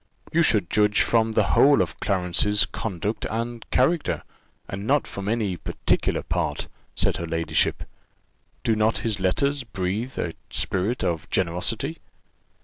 "You should judge from the whole of Clarence's conduct and character, and not from any particular part," said her ladyship. "Do not his letters breathe a spirit of generosity?"